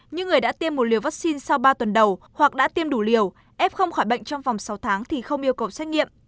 những người đã tiêm một liều vaccine sau ba tuần đầu hoặc đã tiêm đủ liều ép không khỏi bệnh trong vòng sáu tháng thì không yêu cầu xét nghiệm